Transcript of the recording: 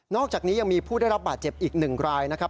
อกจากนี้ยังมีผู้ได้รับบาดเจ็บอีก๑รายนะครับ